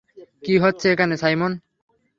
কী হচ্ছে এখানে, সাইমন?